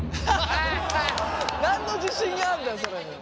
何の自信なんだよそれ！